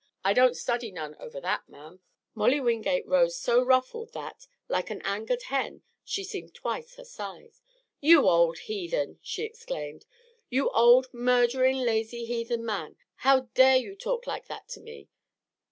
I don't study none over that, ma'am." Molly Wingate rose so ruffled that, like an angered hen, she seemed twice her size. "You old heathen!" she exclaimed. "You old murderin' lazy heathen man! How dare you talk like that to me?"